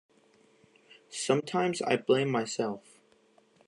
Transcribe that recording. Sometimes I blame myself.